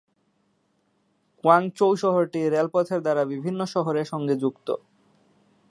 Guangzhou শহরটি রেলপথের দ্বারা বিভিন্ন শহরের সঙ্গে যুক্ত।